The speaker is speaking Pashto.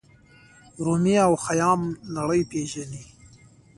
رومي او خیام نړۍ پیژني.